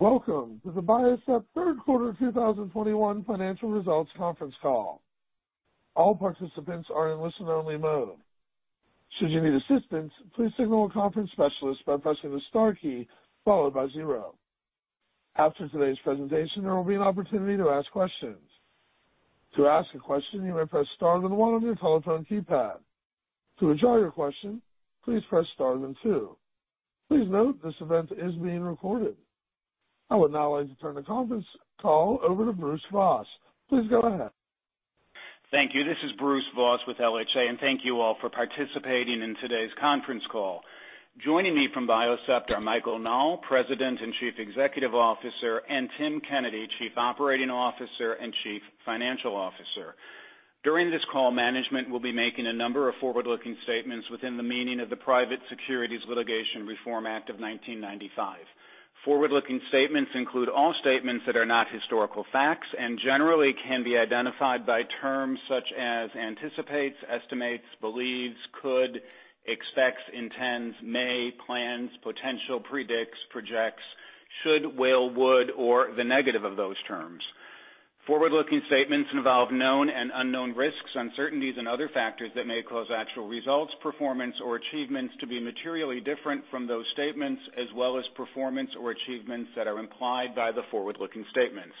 Welcome to the Biocept third quarter 2021 financial results conference call. All participants are in listen-only mode. Should you need assistance, please signal a conference specialist by pressing the star key followed by zero. After today's presentation, there will be an opportunity to ask questions. To ask a question, you may press star then one on your telephone keypad. To withdraw your question, please press star then two. Please note this event is being recorded. I would now like to turn the conference call over to Bruce Voss. Please go ahead. Thank you. This is Bruce Voss with LHA, and thank you all for participating in today's conference call. Joining me from Biocept are Michael Nall, President and Chief Executive Officer, and Tim Kennedy, Chief Operating Officer and Chief Financial Officer. During this call, management will be making a number of forward-looking statements within the meaning of the Private Securities Litigation Reform Act of 1995. Forward-looking statements include all statements that are not historical facts and generally can be identified by terms such as anticipates, estimates, believes, could, expects, intends, may, plans, potential, predicts, projects, should, will, would, or the negative of those terms. Forward-looking statements involve known and unknown risks, uncertainties, and other factors that may cause actual results, performance, or achievements to be materially different from those statements, as well as performance or achievements that are implied by the forward-looking statements.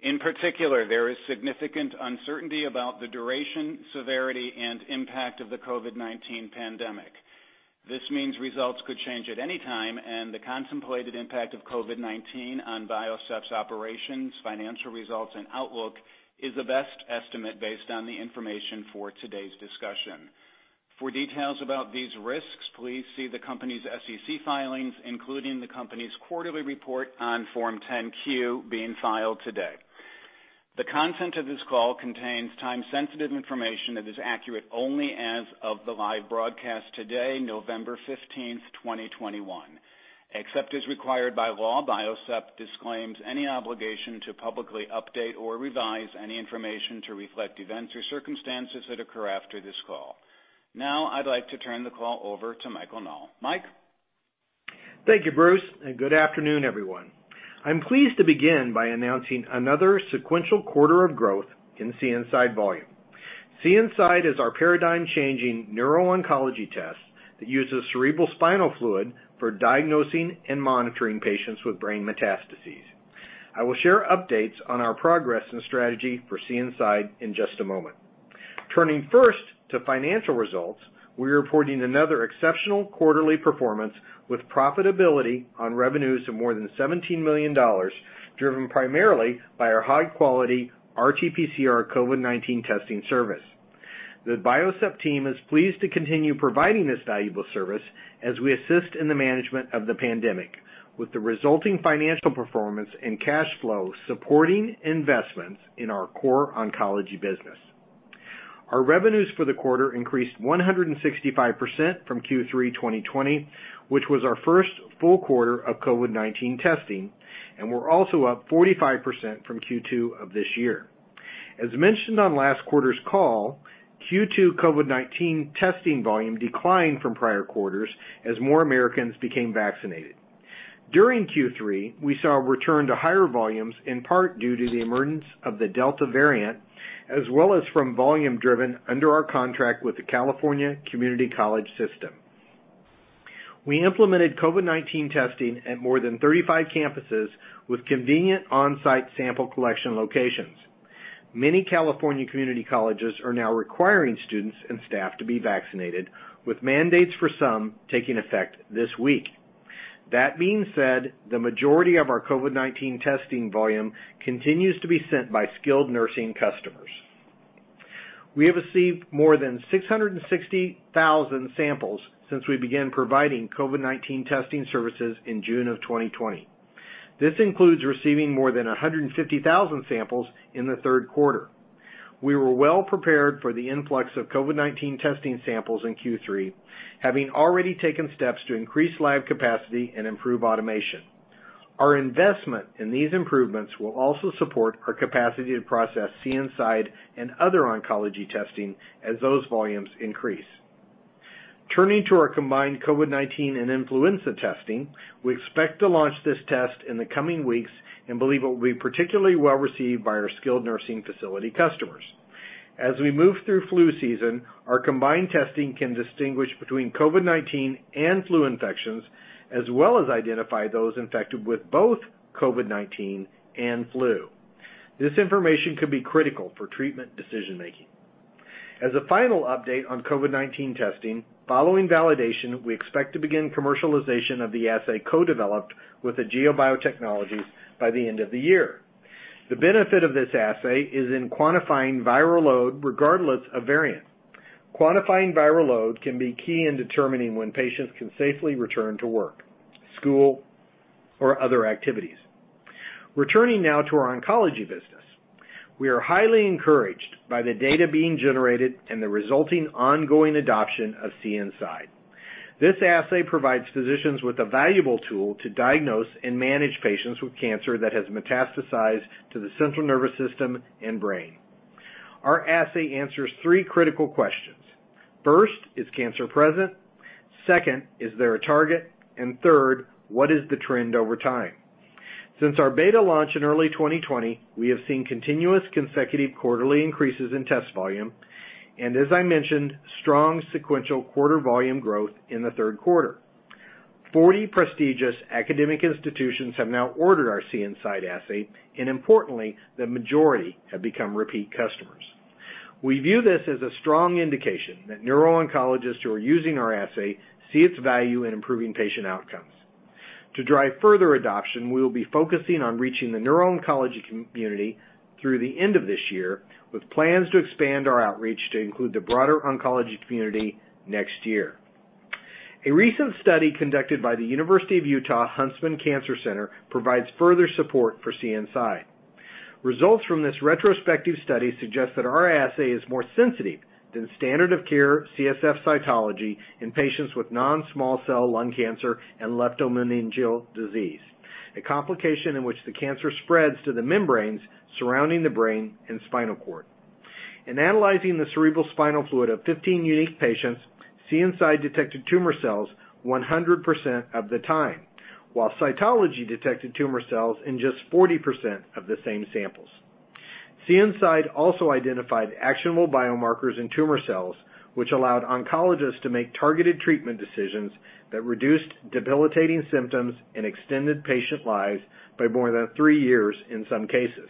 In particular, there is significant uncertainty about the duration, severity, and impact of the COVID-19 pandemic. This means results could change at any time, and the contemplated impact of COVID-19 on Biocept's operations, financial results, and outlook is the best estimate based on the information for today's discussion. For details about these risks, please see the company's SEC filings, including the company's quarterly report on Form 10-Q being filed today. The content of this call contains time-sensitive information that is accurate only as of the live broadcast today, November 15th, 2021. Except as required by law, Biocept disclaims any obligation to publicly update or revise any information to reflect events or circumstances that occur after this call. Now I'd like to turn the call over to Michael Nall. Mike? Thank you, Bruce, and good afternoon, everyone. I'm pleased to begin by announcing another sequential quarter of growth in CNSide volume. CNSide is our paradigm-changing neuro-oncology test that uses cerebrospinal fluid for diagnosing and monitoring patients with brain metastases. I will share updates on our progress and strategy for CNSide in just a moment. Turning first to financial results, we're reporting another exceptional quarterly performance with profitability on revenues of more than $17 million, driven primarily by our high-quality RT-PCR COVID-19 testing service. The Biocept team is pleased to continue providing this valuable service as we assist in the management of the pandemic, with the resulting financial performance and cash flow supporting investments in our core oncology business. Our revenues for the quarter increased 165% from Q3 2020, which was our first full quarter of COVID-19 testing, and we're also up 45% from Q2 of this year. As mentioned on last quarter's call, Q2 COVID-19 testing volume declined from prior quarters as more Americans became vaccinated. During Q3, we saw a return to higher volumes, in part due to the emergence of the Delta variant, as well as from volume driven under our contract with the California Community College System. We implemented COVID-19 testing at more than 35 campuses with convenient on-site sample collection locations. Many California community colleges are now requiring students and staff to be vaccinated, with mandates for some taking effect this week. That being said, the majority of our COVID-19 testing volume continues to be sent by skilled nursing customers. We have received more than 660,000 samples since we began providing COVID-19 testing services in June 2020. This includes receiving more than 150,000 samples in the third quarter. We were well prepared for the influx of COVID-19 testing samples in Q3, having already taken steps to increase lab capacity and improve automation. Our investment in these improvements will also support our capacity to process CNSide and other oncology testing as those volumes increase. Turning to our combined COVID-19 and influenza testing, we expect to launch this test in the coming weeks and believe it will be particularly well received by our skilled nursing facility customers. As we move through flu season, our combined testing can distinguish between COVID-19 and flu infections, as well as identify those infected with both COVID-19 and flu. This information could be critical for treatment decision-making. As a final update on COVID-19 testing, following validation, we expect to begin commercialization of the assay co-developed with Aegea Biotechnologies by the end of the year. The benefit of this assay is in quantifying viral load regardless of variant. Quantifying viral load can be key in determining when patients can safely return to work, school, or other activities. Returning now to our oncology business. We are highly encouraged by the data being generated and the resulting ongoing adoption of CNSide. This assay provides physicians with a valuable tool to diagnose and manage patients with cancer that has metastasized to the central nervous system and brain. Our assay answers three critical questions. First, is cancer present? Second, is there a target? And third, what is the trend over time? Since our beta launch in early 2020, we have seen continuous consecutive quarterly increases in test volume, and as I mentioned, strong sequential quarter volume growth in the third quarter. 40 prestigious academic institutions have now ordered our CNSide assay, and importantly, the majority have become repeat customers. We view this as a strong indication that neuro-oncologists who are using our assay see its value in improving patient outcomes. To drive further adoption, we will be focusing on reaching the neuro-oncology community through the end of this year, with plans to expand our outreach to include the broader oncology community next year. A recent study conducted by the Huntsman Cancer Institute at the University of Utah provides further support for CNSide. Results from this retrospective study suggest that our assay is more sensitive than standard of care CSF cytology in patients with non-small cell lung cancer and leptomeningeal disease, a complication in which the cancer spreads to the membranes surrounding the brain and spinal cord. In analyzing the cerebrospinal fluid of 15 unique patients, CNSide detected tumor cells 100% of the time, while cytology detected tumor cells in just 40% of the same samples. CNSide also identified actionable biomarkers in tumor cells, which allowed oncologists to make targeted treatment decisions that reduced debilitating symptoms and extended patient lives by more than three years in some cases.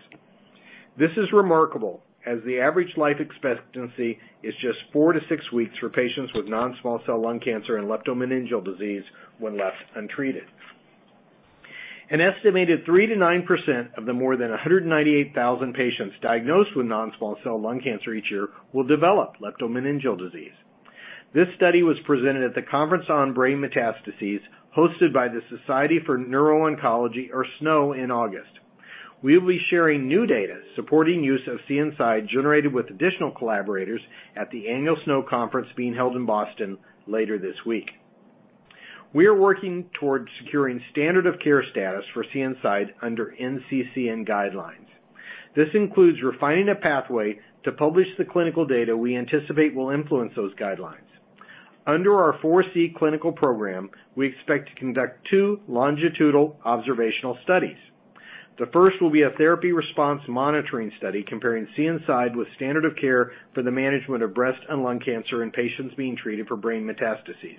This is remarkable as the average life expectancy is just four to six weeks for patients with non-small cell lung cancer and leptomeningeal disease when left untreated. An estimated 3%-9% of the more than 198,000 patients diagnosed with non-small cell lung cancer each year will develop leptomeningeal disease. This study was presented at the Conference on Brain Metastases hosted by the Society for Neuro-Oncology, or SNO, in August. We will be sharing new data supporting use of CNSide generated with additional collaborators at the annual SNO conference being held in Boston later this week. We are working towards securing standard of care status for CNSide under NCCN guidelines. This includes refining a pathway to publish the clinical data we anticipate will influence those guidelines. Under our 4C clinical program, we expect to conduct two longitudinal observational studies. The first will be a therapy response monitoring study comparing CNSide with standard of care for the management of breast and lung cancer in patients being treated for brain metastases.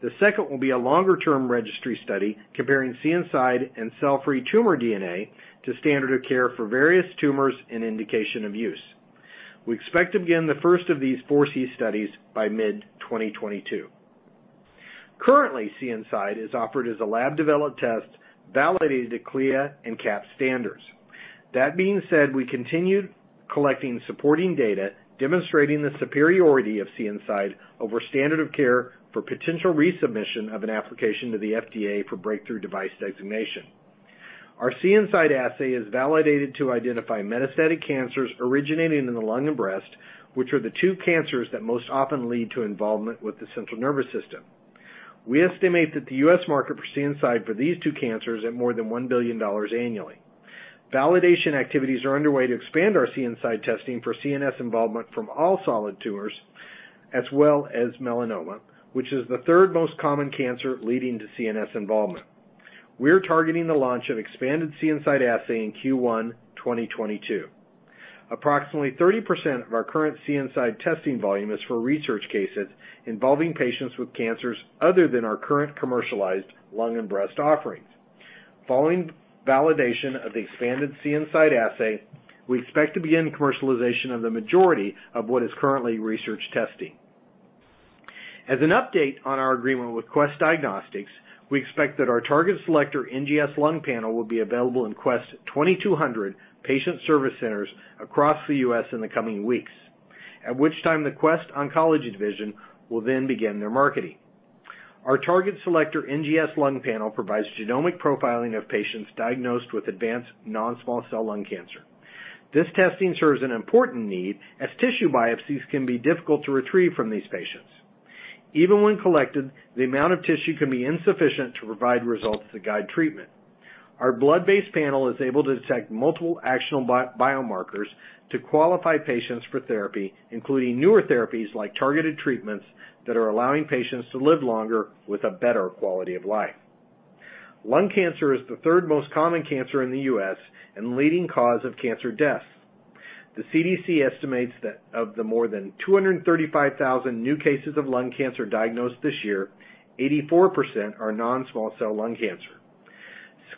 The second will be a longer-term registry study comparing CNSide and cell-free tumor DNA to standard of care for various tumors and indication of use. We expect to begin the first of these 4C studies by mid-2022. Currently, CNSide is offered as a lab-developed test validated to CLIA and CAP standards. That being said, we continued collecting supporting data demonstrating the superiority of CNSide over standard of care for potential resubmission of an application to the FDA for breakthrough device designation. Our CNSide assay is validated to identify metastatic cancers originating in the lung and breast, which are the two cancers that most often lead to involvement with the central nervous system. We estimate that the U.S. market for CNSide for these two cancers at more than $1 billion annually. Validation activities are underway to expand our CNSide testing for CNS involvement from all solid tumors as well as melanoma, which is the third most common cancer leading to CNS involvement. We're targeting the launch of expanded CNSide assay in Q1 2022. Approximately 30% of our current CNSide testing volume is for research cases involving patients with cancers other than our current commercialized lung and breast offerings. Following validation of the expanded CNSide assay, we expect to begin commercialization of the majority of what is currently research testing. As an update on our agreement with Quest Diagnostics, we expect that our Target Selector NGS lung panel will be available in Quest's 2,200 patient service centers across the U.S. in the coming weeks, at which time the Quest oncology division will then begin their marketing. Our Target Selector NGS lung panel provides genomic profiling of patients diagnosed with advanced non-small cell lung cancer. This testing serves an important need, as tissue biopsies can be difficult to retrieve from these patients. Even when collected, the amount of tissue can be insufficient to provide results to guide treatment. Our blood-based panel is able to detect multiple actionable biomarkers to qualify patients for therapy, including newer therapies like targeted treatments that are allowing patients to live longer with a better quality of life. Lung cancer is the third most common cancer in the U.S. and leading cause of cancer deaths. The CDC estimates that of the more than 235,000 new cases of lung cancer diagnosed this year, 84% are non-small cell lung cancer.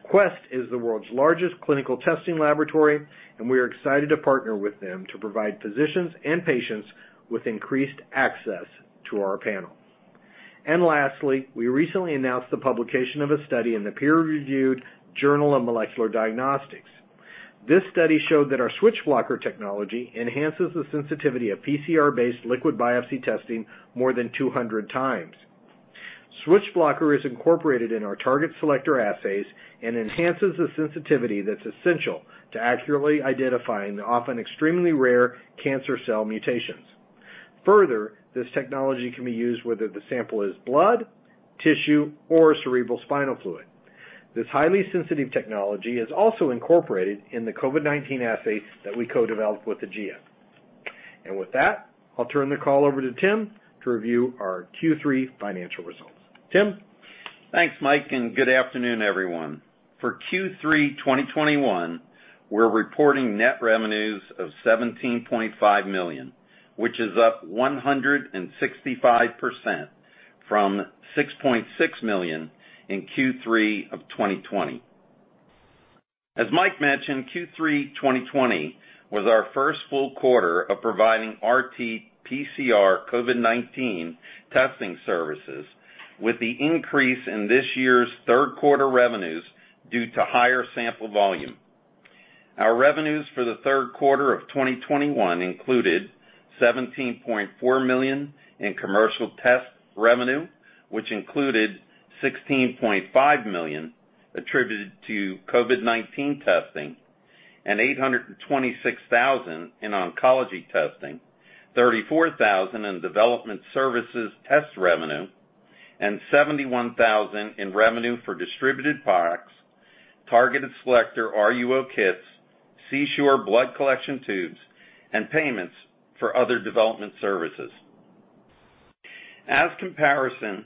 Quest is the world's largest clinical testing laboratory, and we are excited to partner with them to provide physicians and patients with increased access to our panel. Lastly, we recently announced the publication of a study in the peer-reviewed Journal of Molecular Diagnostics. This study showed that our Switch-Blocker technology enhances the sensitivity of PCR-based liquid biopsy testing more than 200 times. Switch-Blocker is incorporated in our Target Selector assays and enhances the sensitivity that's essential to accurately identifying the often extremely rare cancer cell mutations. Further, this technology can be used whether the sample is blood, tissue, or cerebrospinal fluid. This highly sensitive technology is also incorporated in the COVID-19 assays that we co-developed with Aegea. With that, I'll turn the call over to Tim to review our Q3 financial results. Tim? Thanks, Mike, and good afternoon, everyone. For Q3 2021, we're reporting net revenues of $17.5 million, which is up 165% from $6.6 million in Q3 of 2020. As Mike mentioned, Q3 2020 was our first full quarter of providing RT PCR COVID-19 testing services with the increase in this year's third quarter revenues due to higher sample volume. Our revenues for the third quarter of 2021 included $17.4 million in commercial test revenue, which included $16.5 million attributed to COVID-19 testing and $826,000 in oncology testing, $34,000 in development services test revenue, and $71,000 in revenue for distributed products, Target Selector RUO kits, CEE-Sure blood collection tubes, and payments for other development services. As comparison,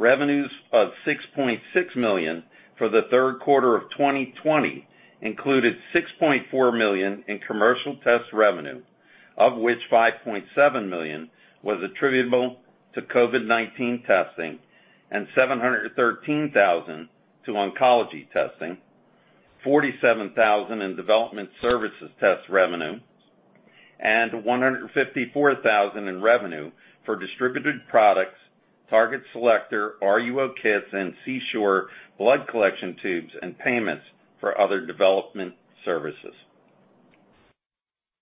revenues of $6.6 million for the third quarter of 2020 included $6.4 million in commercial test revenue, of which $5.7 million was attributable to COVID-19 testing and $713,000 to oncology testing, $47,000 in development services test revenue, and $154,000 in revenue for distributed products, Target Selector RUO kits, and CEE-Sure blood collection tubes and payments for other development services.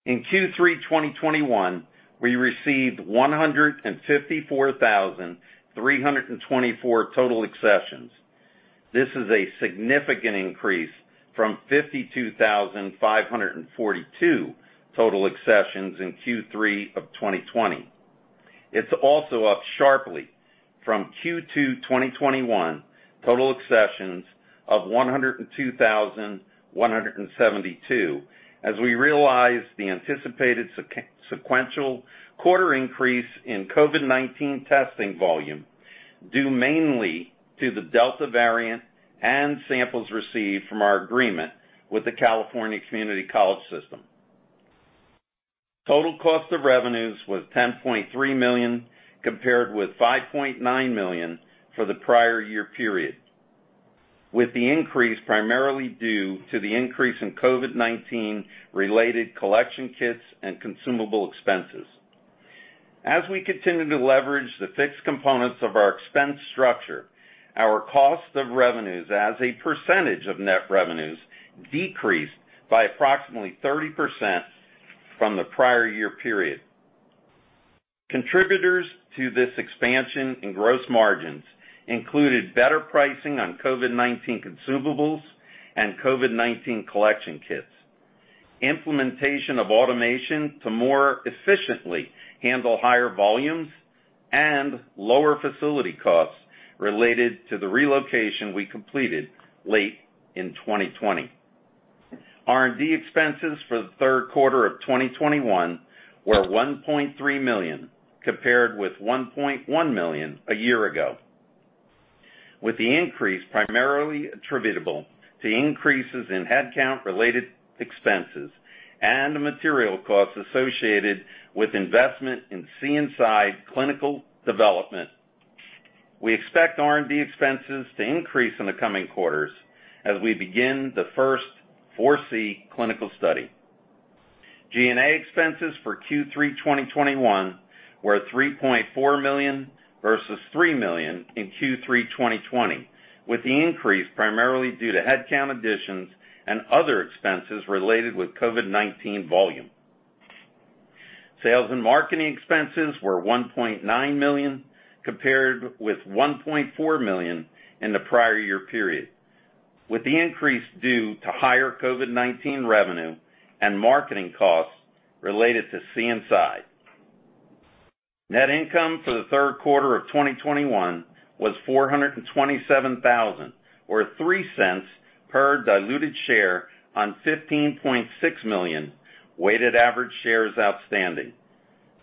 In Q3 2021, we received 154,324 total accessions. This is a significant increase from 52,542 total accessions in Q3 of 2020. It's also up sharply from Q2 2021 total accessions of 102,172 as we realized the anticipated sequential quarter increase in COVID-19 testing volume, due mainly to the Delta variant and samples received from our agreement with the California Community College System. Total cost of revenues was $10.3 million compared with $5.9 million for the prior year period. With the increase primarily due to the increase in COVID-19 related collection kits and consumable expenses. As we continue to leverage the fixed components of our expense structure, our cost of revenues as a percentage of net revenues decreased by approximately 30% from the prior year period. Contributors to this expansion in gross margins included better pricing on COVID-19 consumables and COVID-19 collection kits, implementation of automation to more efficiently handle higher volumes and lower facility costs related to the relocation we completed late in 2020. R&D expenses for the third quarter of 2021 were $1.3 million compared with $1.1 million a year ago, with the increase primarily attributable to increases in headcount-related expenses and the material costs associated with investment in CNSide clinical development. We expect R&D expenses to increase in the coming quarters as we begin the first 4C clinical study. G&A expenses for Q3 2021 were $3.4 million versus $3 million in Q3 2020, with the increase primarily due to headcount additions and other expenses related with COVID-19 volume. Sales and marketing expenses were $1.9 million compared with $1.4 million in the prior year period, with the increase due to higher COVID-19 revenue and marketing costs related to CNSide. Net income for the third quarter of 2021 was $427,000, or $0.03 per diluted share on 15.6 million weighted average shares outstanding.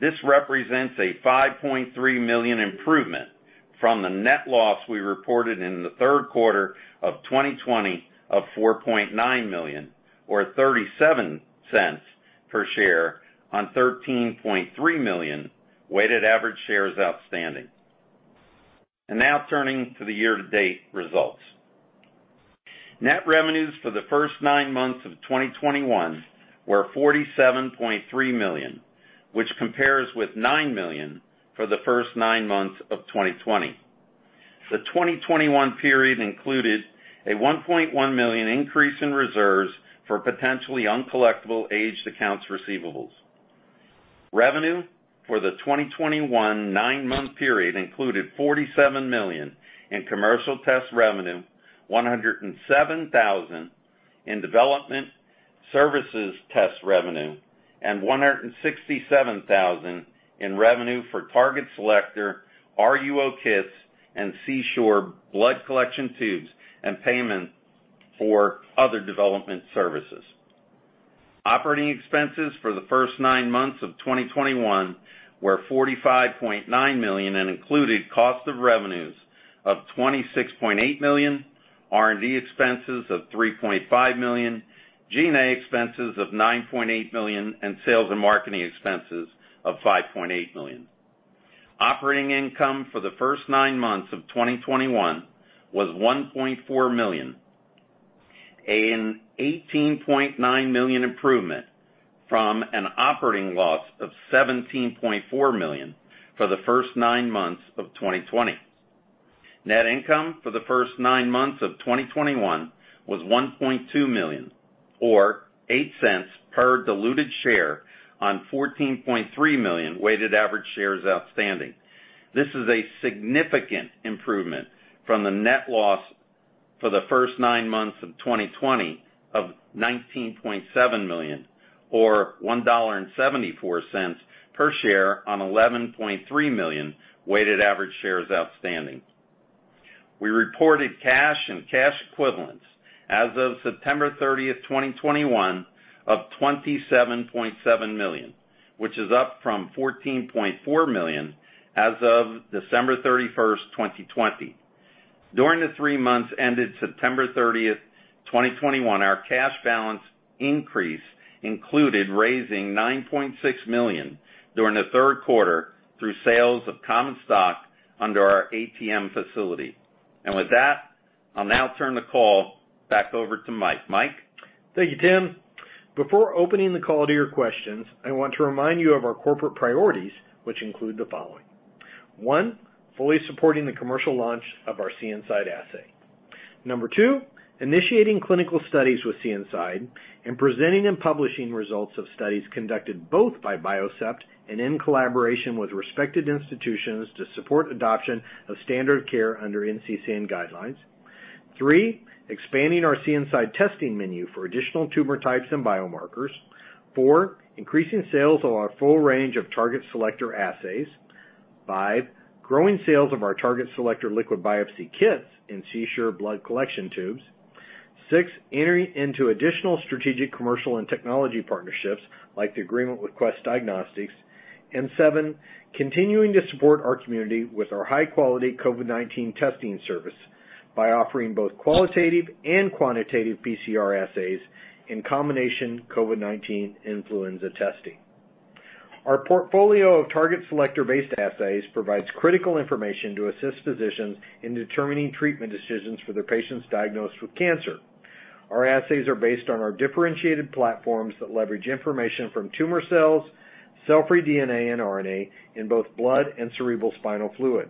This represents a $5.3 million improvement from the net loss we reported in the third quarter of 2020 of $4.9 million or $0.37 per share on 13.3 million weighted average shares outstanding. Now turning to the year-to-date results. Net revenues for the first nine months of 2021 were $47.3 million, which compares with $9 million for the first nine months of 2020. The 2021 period included a $1.1 million increase in reserves for potentially uncollectible aged accounts receivable. Revenue for the 2021 nine-month period included $47 million in commercial test revenue, $107,000 in development services test revenue and $167,000 in revenue for Target Selector RUO kits and CEE-Sure blood collection tubes and payment for other development services. Operating expenses for the first nine months of 2021 were $45.9 million and included cost of revenues of $26.8 million, R&D expenses of $3.5 million, G&A expenses of $9.8 million, and sales and marketing expenses of $5.8 million. Operating income for the first nine months of 2021 was $1.4 million, an $18.9 million improvement from an operating loss of $17.4 million for the first nine months of 2020. Net income for the first nine months of 2021 was $1.2 million, or $0.08 per diluted share on 14.3 million weighted average shares outstanding. This is a significant improvement from the net loss for the first nine months of 2020 of $19.7 million, or $1.74 per share on 11.3 million weighted average shares outstanding. We reported cash and cash equivalents as of September 30th, 2021 of $27.7 million, which is up from $14.4 million as of December 31st, 2020. During the three months ended September 30th, 2021, our cash balance increase included raising $9.6 million during the third quarter through sales of common stock under our ATM facility. With that, I'll now turn the call back over to Mike. Mike? Thank you, Tim. Before opening the call to your questions, I want to remind you of our corporate priorities, which include the following. One, fully supporting the commercial launch of our CNSide assay. Two, initiating clinical studies with CNSide and presenting and publishing results of studies conducted both by Biocept and in collaboration with respected institutions to support adoption of standard care under NCCN guidelines. Three, expanding our CNSide testing menu for additional tumor types and biomarkers. Four, increasing sales of our full range of Target Selector assays. Five, growing sales of our Target Selector liquid biopsy kits in CEE-Sure blood collection tubes. Six, entering into additional strategic, commercial, and technology partnerships like the agreement with Quest Diagnostics. Seven, continuing to support our community with our high-quality COVID-19 testing service by offering both qualitative and quantitative PCR assays in combination COVID-19 influenza testing. Our portfolio of Target Selector-based assays provides critical information to assist physicians in determining treatment decisions for their patients diagnosed with cancer. Our assays are based on our differentiated platforms that leverage information from tumor cells, cell-free DNA and RNA in both blood and cerebrospinal fluid.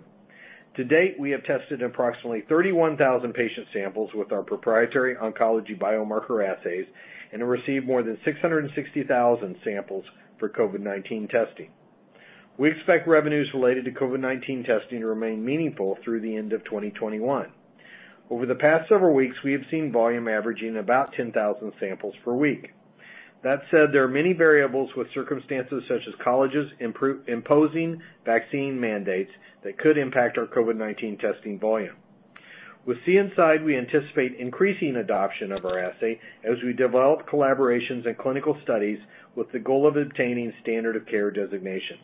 To date, we have tested approximately 31,000 patient samples with our proprietary oncology biomarker assays and have received more than 660,000 samples for COVID-19 testing. We expect revenues related to COVID-19 testing to remain meaningful through the end of 2021. Over the past several weeks, we have seen volume averaging about 10,000 samples per week. That said, there are many variables with circumstances such as colleges imposing vaccine mandates that could impact our COVID-19 testing volume. With CNSide, we anticipate increasing adoption of our assay as we develop collaborations and clinical studies with the goal of obtaining standard of care designation.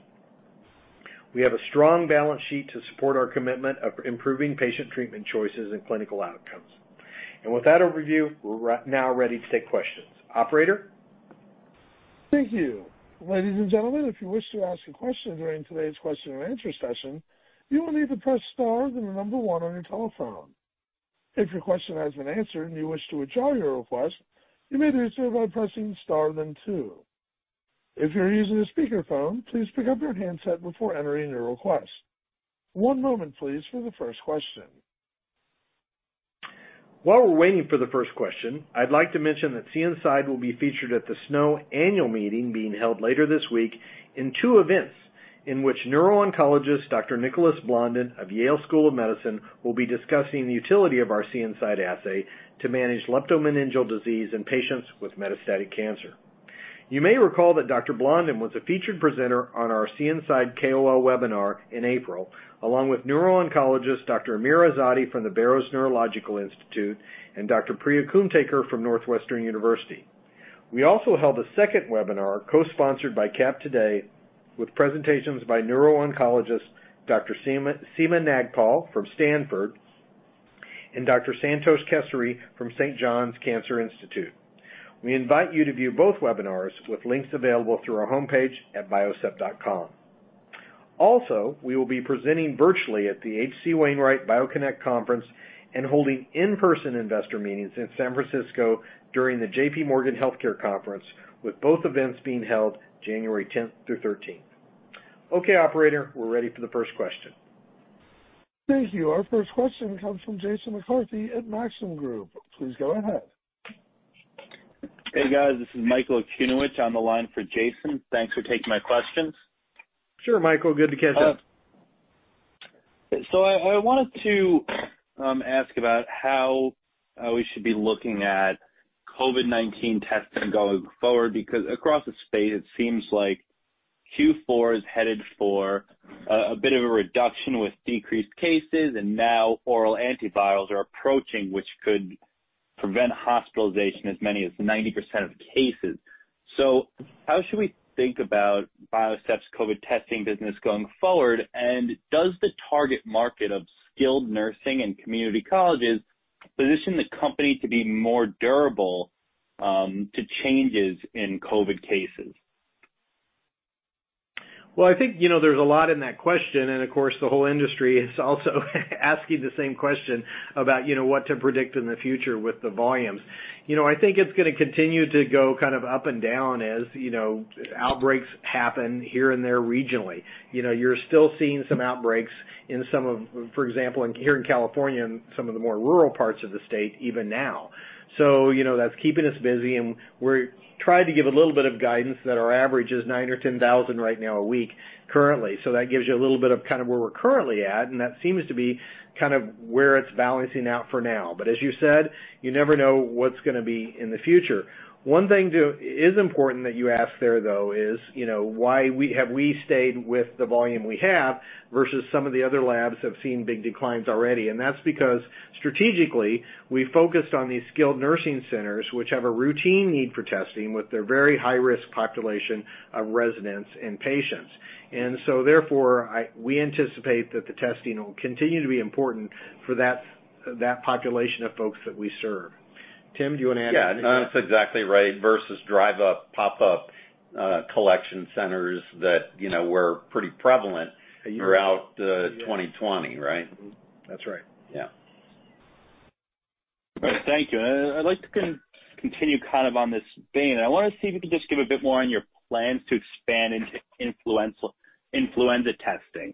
We have a strong balance sheet to support our commitment of improving patient treatment choices and clinical outcomes. With that overview, we're now ready to take questions. Operator? Thank you. Ladies and gentlemen, if you wish to ask a question during today's question and answer session, you will need to press star then the number one on your telephone. If your question has been answered and you wish to withdraw your request, you may do so by pressing star then two. If you're using a speakerphone, please pick up your handset before entering your request. One moment please for the first question. While we're waiting for the first question, I'd like to mention that CNSide will be featured at the SNO annual meeting being held later this week in two events in which neuro-oncologist Dr. Nicholas Blondin of Yale School of Medicine will be discussing the utility of our CNSide assay to manage leptomeningeal disease in patients with metastatic cancer. You may recall that Dr. Blondin was a featured presenter on our CNSide KOL webinar in April, along with neuro-oncologist Dr. Amir Azadi from the Barrow Neurological Institute and Dr. Priya Kumthekar from Northwestern University. We also held a second webinar co-sponsored by CAP TODAY with presentations by neuro-oncologist Dr. Seema Nagpal from Stanford and Dr. Santosh Kesari from Saint John's Cancer Institute. We invite you to view both webinars with links available through our homepage at biocept.com. Also, we will be presenting virtually at the H.C. Wainwright BioConnect Conference and holding in-person investor meetings in San Francisco during the JPMorgan Healthcare Conference, with both events being held January 10th through 13th. Okay, operator, we're ready for the first question. Thank you. Our first question comes from Jason McCarthy at Maxim Group. Please go ahead. Hey, guys, this is Michael Kinch on the line for Jason. Thanks for taking my questions. Sure, Michael. Good to catch up. I wanted to ask about how we should be looking at COVID-19 testing going forward because across the state it seems like Q4 is headed for a bit of a reduction with decreased cases and now oral antivirals are approaching, which could prevent hospitalization as many as 90% of cases. How should we think about Biocept's COVID testing business going forward? And does the target market of skilled nursing and community colleges position the company to be more durable to changes in COVID cases? Well, I think, you know, there's a lot in that question, and of course, the whole industry is also asking the same question about, you know, what to predict in the future with the volumes. You know, I think it's gonna continue to go kind of up and down as, you know, outbreaks happen here and there regionally. You know, you're still seeing some outbreaks in some of, for example, here in California and some of the more rural parts of the state even now. You know, that's keeping us busy and we're trying to give a little bit of guidance that our average is 9,000 or 10,000 right now a week currently. That gives you a little bit of kind of where we're currently at, and that seems to be kind of where it's balancing out for now. As you said, you never know what's gonna be in the future. One thing is important that you asked there, though, is, you know, why we stayed with the volume we have versus some of the other labs have seen big declines already. That's because strategically, we focused on these skilled nursing centers, which have a routine need for testing with their very high-risk population of residents and patients. Therefore, we anticipate that the testing will continue to be important for that population of folks that we serve. Tim, do you wanna add anything? Yeah. No, that's exactly right versus drive-up, pop-up, collection centers that, you know, were pretty prevalent throughout 2020, right? That's right. Yeah. All right. Thank you. I'd like to continue kind of on this vein. I wanna see if you can just give a bit more on your plans to expand into influenza testing.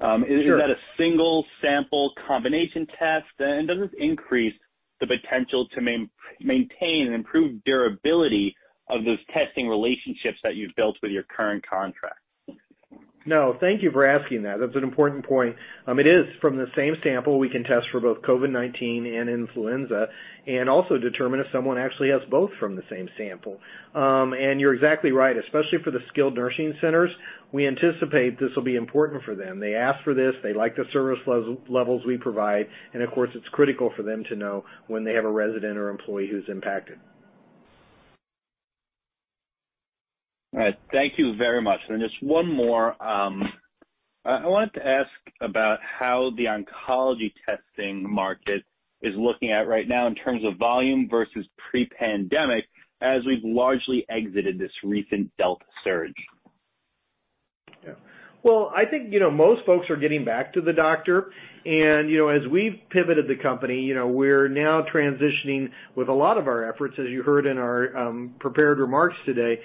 Sure. Is that a single sample combination test? Does this increase the potential to maintain and improve durability of those testing relationships that you've built with your current contracts? No, thank you for asking that. That's an important point. It is. From the same sample, we can test for both COVID-19 and influenza and also determine if someone actually has both from the same sample. You're exactly right, especially for the skilled nursing centers, we anticipate this will be important for them. They ask for this, they like the service levels we provide, and of course, it's critical for them to know when they have a resident or employee who's impacted. All right. Thank you very much. Just one more. I wanted to ask about how the oncology testing market is looking right now in terms of volume versus pre-pandemic, as we've largely exited this recent Delta surge. Yeah. Well, I think, you know, most folks are getting back to the doctor. You know, as we've pivoted the company, you know, we're now transitioning with a lot of our efforts, as you heard in our prepared remarks today,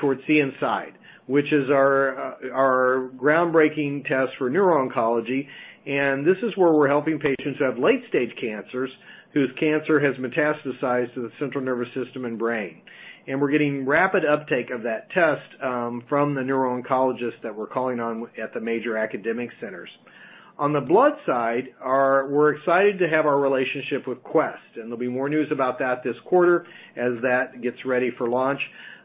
towards CNSide, which is our groundbreaking test for neuro-oncology. This is where we're helping patients who have late-stage cancers, whose cancer has metastasized to the central nervous system and brain. We're getting rapid uptake of that test from the neuro-oncologists that we're calling on at the major academic centers. On the blood side, we're excited to have our relationship with Quest, and there'll be more news about that this quarter as that gets ready for launch.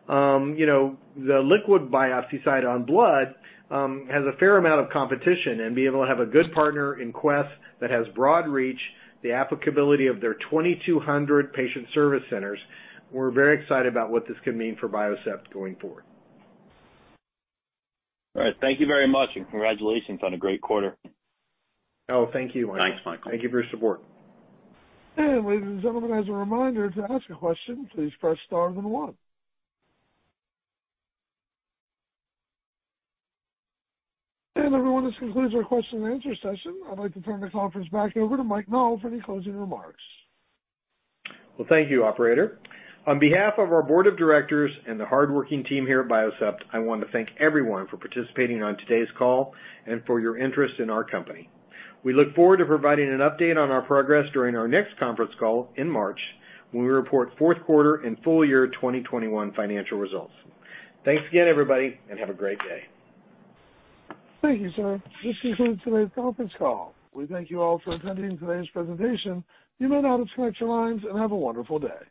You know, the liquid biopsy side on blood has a fair amount of competition, and being able to have a good partner in Quest that has broad reach, the applicability of their 2,200 patient service centers, we're very excited about what this could mean for Biocept going forward. All right. Thank you very much, and congratulations on a great quarter. Oh, thank you, Michael. Thanks, Michael. Thank you for your support. Ladies and gentlemen, as a reminder, to ask a question, please press star then one. Everyone, this concludes our question and answer session. I'd like to turn the conference back over to Mike Nall for any closing remarks. Well, thank you, operator. On behalf of our board of directors and the hardworking team here at Biocept, I want to thank everyone for participating on today's call and for your interest in our company. We look forward to providing an update on our progress during our next conference call in March, when we report fourth quarter and full year 2021 financial results. Thanks again, everybody, and have a great day. Thank you, sir. This concludes today's conference call. We thank you all for attending today's presentation. You may now disconnect your lines and have a wonderful day.